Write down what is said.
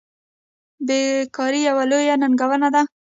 بیکاري یوه لویه ننګونه ده.